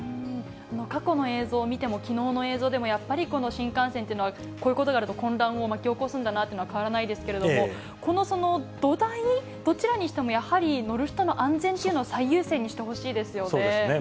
過去の映像を見ても、きのうの映像でもやっぱり、この新幹線っていうのは、こういうことがあると、混乱を巻き起こすんだなというのは変わらないですけども、この土台、どちらにしてもやはり乗る人の安全というのを最優先にしてほしいそうですね。